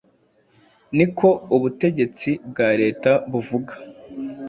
Niko ubutegetsi bwa leta buvuga.”